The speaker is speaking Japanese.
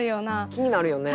気になるよね。